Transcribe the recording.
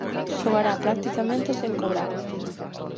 Xogará practicamente sen cobrar.